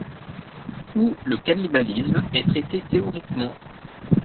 Où le cannibalisme est traité théoriquement